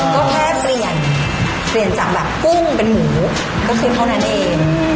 ก็แค่เปลี่ยนเปลี่ยนจากแบบกุ้งเป็นหมูก็คือเท่านั้นเอง